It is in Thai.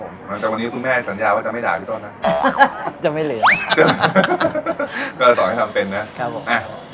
หลังจากวันนี้คุณแม่สัญญาว่าจะไม่ด่าพี่ต้นนะจะไม่เหลวก็สอนให้ทำเป็นนะครับผมอ่ะ